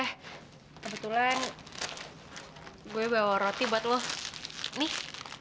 iya kebetulan gue bawa roti buat lo nih